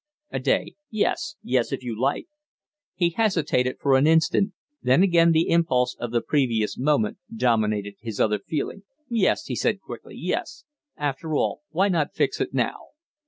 "A day? Yes. Yes if you like." He hesitated for an instant, then again the impulse of the previous moment dominated his other feeling. "Yes," he said, quickly. "Yes. After all, why not fix it now?"